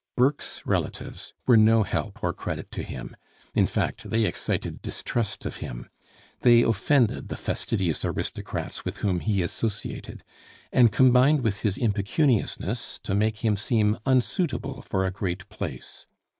Burke's relatives were no help or credit to him. In fact, they excited distrust of him. They offended the fastidious aristocrats with whom he associated, and combined with his impecuniousness to make him seem unsuitable for a great place.